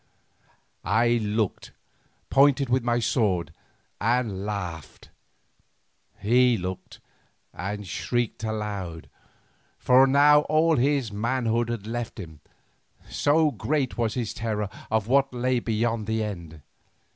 I looked, pointed with my sword, and laughed; he looked and shrieked aloud, for now all his manhood had left him, so great was his terror of what lay beyond the end.